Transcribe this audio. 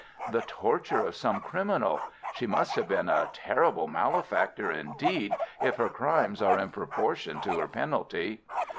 "The torture of some criminal. She must have been a terrible malefactor indeed if her crimes are in proportion to her penalty."